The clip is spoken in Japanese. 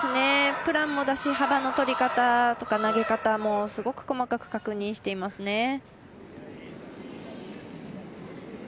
プランもだし幅のとり方とか投げ方もすごく細かく確認していますね。